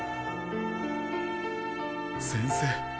先生。